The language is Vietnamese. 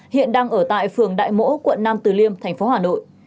hiện đang ở tại phường đại mỗ quận nam từ liêm thành phố hà nội